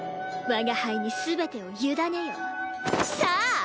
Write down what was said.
我が輩に全てを委ねよ。さあ！